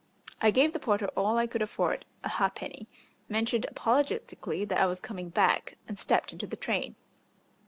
I gave the porter all I could afford a ha'penny, mentioned apologetically that I was coming back, and stepped into the train.